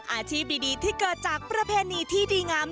อาชีพดีที่เกิดจากประเพณีที่ดีงาม